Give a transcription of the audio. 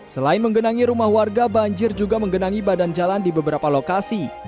selain menggenangi rumah warga banjir juga menggenangi badan jalan di beberapa lokasi